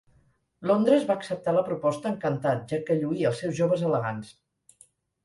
Londres va acceptar la proposta encantat ja que lluïa els seus joves elegants.